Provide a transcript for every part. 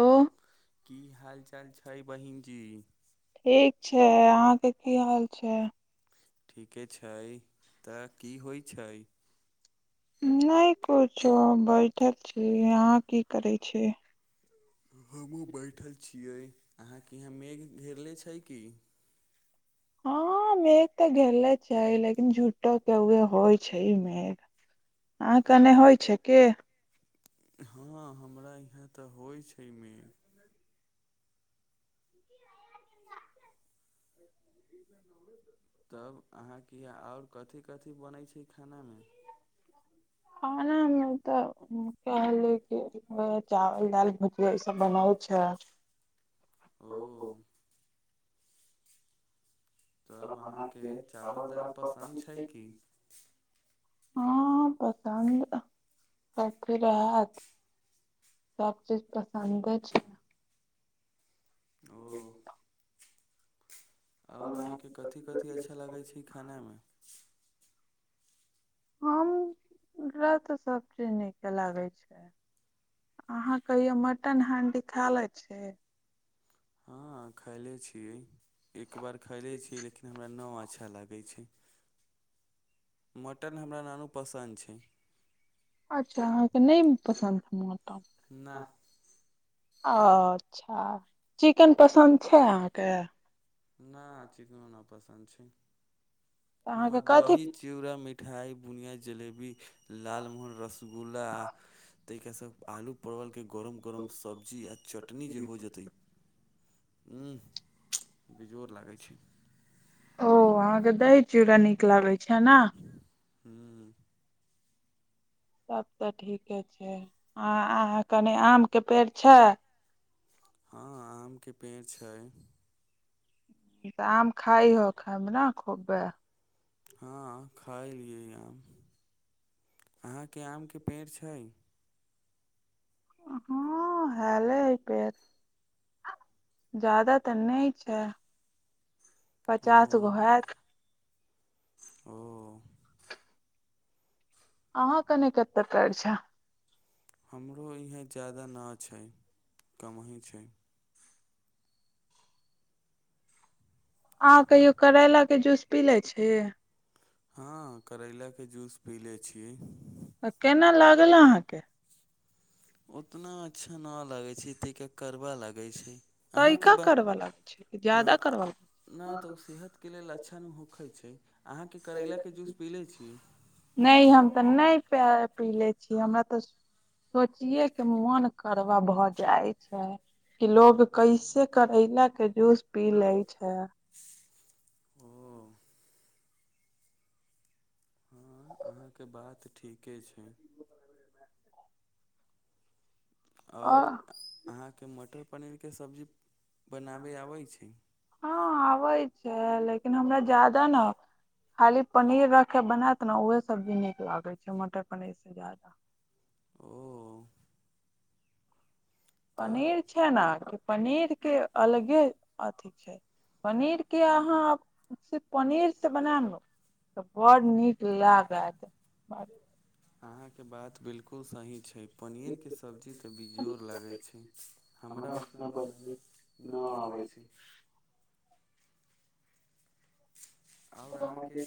ओ की हाल चाल छै बहिन जी ठीक छै अहाँके की हाल छै ठीके छै त की होइ छै नहि कुछो बैठल छी अहाँ की करै छियै हमहूँ बैसल छी। अहाँक ओतए मेघ घेरने छै की? हँ मेघ त गेलरे छै लेकिन झूठो केए होइ छै मेघ आ के ओने होइ छै के हँ हमरा इहाँ त होइ छै मेघ नहि तब अहाँके आओर कथि कथि बनै छै खानामे खाना मे त वेह आलू के चावल दाल भुजिया ई सब बनाै छै ओ तब हँ अहाँके चावल दालि पसन्द छै की हँ [unintelligible] सब चीज पसन्दे छै ओ आओर अहाँके कथथि कथि अच्छा लागै छै खानइमे हमरा ते सब चीज नीके लागे छै अहाँ कहियो मटन हांडी खा ले छै हँ खायले छियै एक बार खैलै छियै लेकिन हमरा न अच्छा लागै छै मटन हमरा नानू पसन्द छै अच्छा अहाँके नहि पसन्द ह मटन ना अच्छा चिकेन पसन्द छै अहाँके नहि चिकनो नहि पसन्द छै हमर अहाँके दही कथी चुड़ा मिठाई बुनिया जलेबी लालमोहन रसगुल्ला आ ताहिके साथ आलू परवलके गरम गरम सब्जी आ चटनी जे हो जेतै ह बेजोड़ लागै छै ओ अहाँके दही चूड़ा नीक लागैत छै ने हँ तब त ठीके छै अं अहाँ के आणि आमके पेड़ छै हँ आमके पेड़ छै त आम खाए होखब ने खोबै हँ खायलियै आम अहाँके आम के पेड़ छै हँ हेले पेर जदाा त नहि छै ओ पचास गो हत ओ अहाँ के ओने कटे छै हमरो इहे ज्यादा नहि छै कमहि छै अहाँ कहियो करैलाके जूस पी ले छी हँ करैलाके जूस पीले छी केना लागल अहाँके उतना अच्छा नहि लगै छै कड़बा लगैत छै अहाँके तइका ब करवा लाग छै हँ ज्यादा करा लाग छै नहि तऽ ओ सेहतके लेल अच्छा न होखे छै अहाँके करैलाके जूस पी लै छी नहि हम त नहि पी ले छीय हमरा त सोचिये के मन करबा भऽ जाई छै की लोग कैसे करैला के जूस पी ले छै ओ हँ अहाँके बात ठीके छै आ आओर अहाँके मटर पनीरके सब्जी बनाबय आबै छै हँ आबै छै लेकिन हमरा जदा ने खाली पनीर रखके बनायत ने उहे सब्जी नीक लागैत छै मटर पनीर से ज्याद ओ तब पनीर छै ने कि पनीर के अलगे अथी छै पनीर के अहाँ सिर्फ पनीर से बनाम तऽ बड़ नीक लाग अहाँके बात बिल्कुल सही छ पनीरके सब्जी तऽ बेजोड़ लगै छै हमरा ओतनाबनाबै नहि अबै छ आओर अहाँके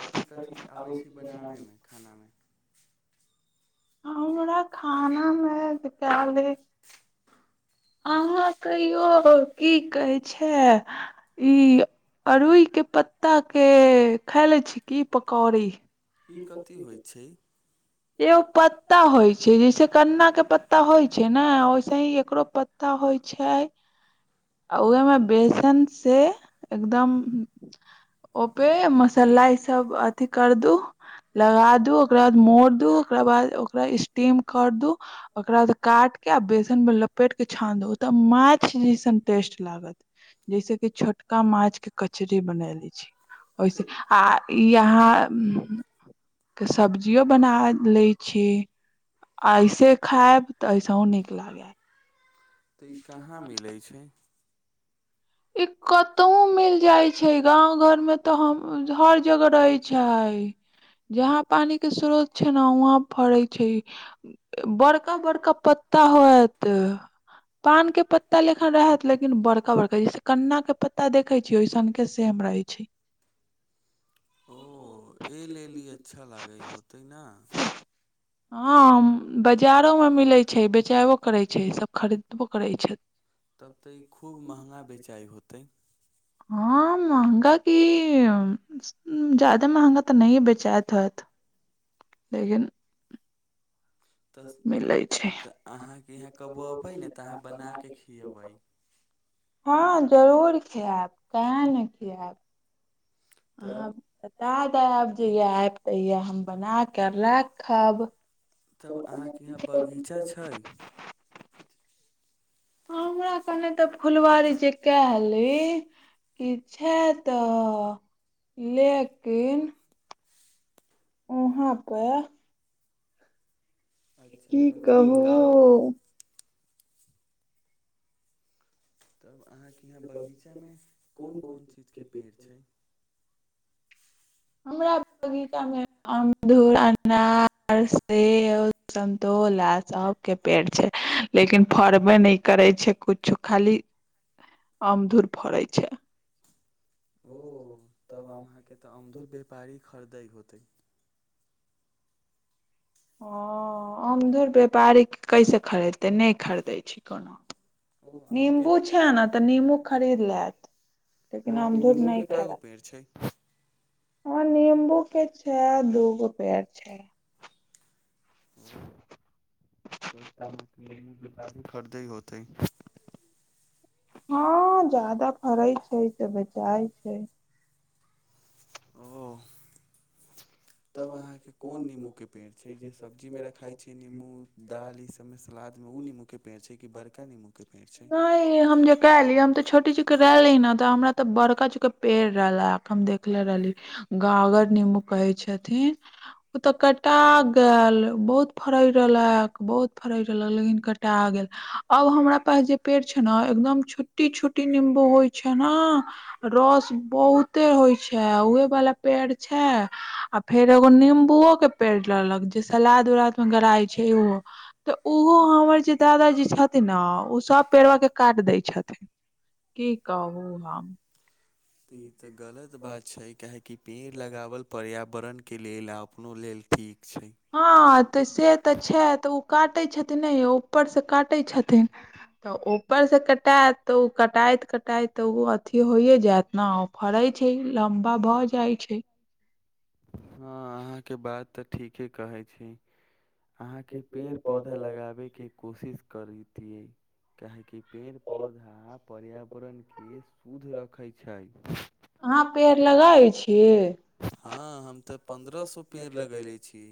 कथी कथी आबै छै बनाबैमे खानाम आ खाना मै कहल अहाँ कहियो की कहै छ ई अड़हुलके पत्ता के खायलै छी की पकौड़ ई कथी होइ छ एगो पत्ता होइ छै जैसे कन्ना के पत्ता होइ छै ने ओैसे ही एकर तअ होइ छ आ ओहिमे बेसन से एकद ओपे मसाला ई सब अथी कर दू लगा दू ओकरा बाद मो दू ओकरा बाद ओकरा स्टीम क ओकरा बाद काट के आ बेसन मे लपेट के छान द तऽ माछ जैसन टेस्ट लाग जैस कि छोटका माछ के कचरीे बना ले छ तऽ ओहिसे आ ई यहाँ सब्जियो बन ले छी ऐसे खायब तऽ ऐसेहो नीक लाग तऽ ई कहाँ मिलै छ ई कतहु मिल जा गाँंव घर मे तऽ हर जगह रहे छ जहाँ पानी के स्रोत छै ने वहाँ फरे छ बड़का बड़का पत्ता होय पान के पत्ता लेखन रहत लेकिन बड़का बड़का जैस कन्ना के पत्ता देखे छीियै ओऐसन के सेम रहे छ ओ एहि लेल ई अच्छा लागै होतै हँ बाजारोमे मिलैत छै बेचेबो करैत छै सभ खरीदबो करैत छै तब तऽ ई खूब महँगा बेचाइ होत हँ मंहगा क हुं ज्यादा महँगा तऽ नहिए बेचाइत हत लेकि तऽ मिलै छै अहाँके यहाँ कब अबै ने तऽ अहाँ बनाके खबै हँ जरूर खिायब केने खायब तब बता द आब जहिया आयब तहिया हम बना करलै खब तब अहाँके यहाँ बगीचा छै हाँ, ना हमरा कने तऽ अप त फुलवारी जे सुनव कहली क्य ह कि छैे तऽ लेकिन ओहाँपे अच्छा की कथीमे कहु तब अहााँ के यहाँ बगीचा में कोन कोन चीज के पेड़ छै हमरा बगीचामे अमरूध अनार सेब संन्तोला सबके पेड़ छै लेकिन फड़बे नहि करे छै कुछो खाली अमरूध फड़ै छै ओ तब अहाँके तऽ अमरूध व्यापारी खरीदै होतै ओ अमधुर व्यापारी कैसे खरीदतै नहि खरीदै छै कोनो ओ अहाँके निम्बू छै ने तऽ निम्बू खरीद लेत अहाँके नीम्बूके कए गो पेड़ छै [inaudible] ह नींबू के छै दूगो पेड़ छै तब तऽ अहाँके निमबू व्यापारी खरीदै होतै हँ ज्यदा फरै छै तऽ बेचाय छै ओ तब अहाँके कोन निमबू के पेड़ छै जे सब्जी मे रखाई छै निमबू दाल इ सबं सलाद में उ नमबू के पेड़ छै कि बड़का नीमबू के पेड़ छै नहि हम जे कहली हम तऽ छोटी चूके रहले ने तऽ हमरा ते बड़का चूके पेड़ रहला हम देखले रहली गगर नीबू कहै छथिन ओते कटा गेल बहुत फरै रहलक बहुत फरैत रहलक लेकिन कटा गेल अब हमरा पास जे पेड़ छै ने एकदम छोट्टी छोट्टी निम्बू होइ छै ने रस बहुते होइ छै उहे वाला पेड़ छै आ फेर एगो निम्बुओ के पेड़ लेलक जे सलाद उलाद मे गराई छै ओहो तऽ ओहो हमर जे दादा जे छथि ने ओ सभ पेड़बा के काट दै छथिन की कहू हम तऽ ई तऽ गलत बात छै काहेकि पेड़ लगावल पर्यावरण के लेल आ अपनो लेल ठीक छै हँ तऽ से तऽ छै तऽ ओ काटै छथिन नहि ऊपर से काटै छथिन तऽ ऊपर से कटात तऽ ओ कटाइत कटाइत तऽ ओ अथी होइये जायत ने फड़े छै लम्बा भऽ जाय छै हँ अहाँके बात तऽ ठीके कहै छै अहाँके पेड़ पौधा लगाबे के कोशिश करीतिये काहेकि पेड़ पौधा पर्यावरण के शुद्ध रखै छै अहां पेड़ लगाबै छियै दो सए पेड़ लगैने छीयै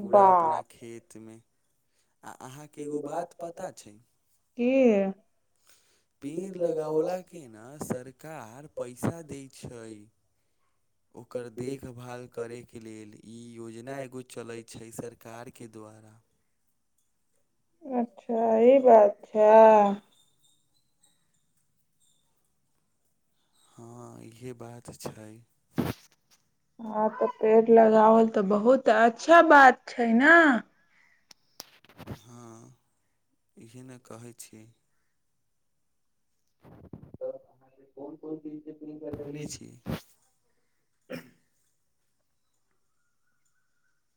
पूरा अपना बाप खेत मे आ अहाँके एगो बात पता छै की पेड़ लगौलाके ने सरकार पैसा दै छै ओकर देखभाल करैके लेल ई योजना एगो चलै छै सरकारके द्वारा अच्छा ई बात छाई हँ इहे बात छै हँं तऽ पेड़ लगावल तऽ बहुत अच्छा बात छै ने हँ इहे ने कहै छी तऽ कोन कोन च बोलै छियै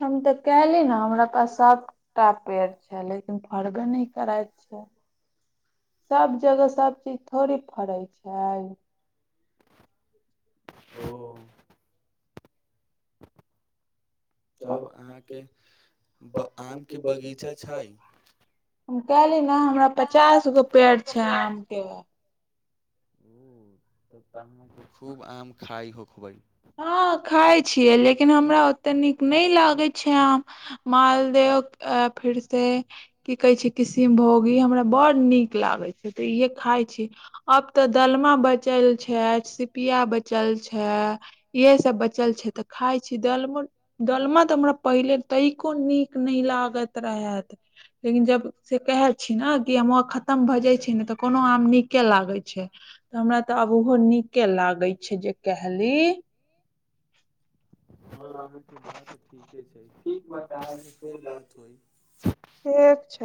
हम तऽ कले ने हमरा पास साफ छेटा पेड़ छै लेकिन फड़बे नहि करैत छै सभ जगह सभ चीज थोड़ी फरैत छै ओ तब अहाँके आमके बगीचा छै हम कहली ने हमरा पचास गो पेड़ छै आम के ओ तब तऽ अहाँके खूब आम खाइ होखबै हँ खाइ छियै लेकिन हमरा ओतेक नीक नहि लागैत छै आम मालदह अ फिर से की कहै छै किशमभोग ई हमरा बड़ नीक लागै छै तऽ इह खाइ छी अब ते दलमा बचल छै सिपिया बचल छै इहे सब बचल छै ते खाय छी दालमो दलमा तऽ हमरा पहिले तै कनिको नीक नहि लागत रेहैत लेकिन जब से कहे छी ने कि आम्मवा खतम भऽ जाय छै ने तऽ कोनो आम नीके लागे छै तऽ हमरा तऽ आब ओहो नीके लागै छै जे कहली हँ अहाँके बात ठीके छै ठीक बातऽ अहाँसँ फेर बात हो ठीक छ